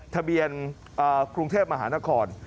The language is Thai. ทะเบียนกรุงเทพมหานคร